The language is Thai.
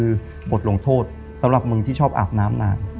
คือบทลงโทษสำหรับมึงที่ชอบอาบน้ำนาน